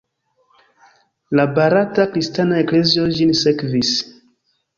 La barata kristana eklezio ĝin sekvis.